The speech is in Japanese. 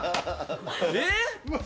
えっ？